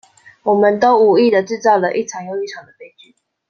我們都無意的製造了一場又一場的悲劇